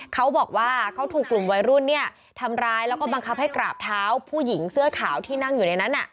เขาบอกว่าเขาถูกกลุ่มวัยรุ่นทำร้ายแล้วก็บังคับให้กราบเท้าผู้หญิงเสื้อขาวที่นั่งอยู่ในนั้น